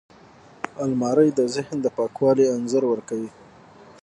الماري د ذهن پاکوالي انځور ورکوي